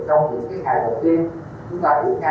trong những ngày đầu tiên chúng ta diễn ra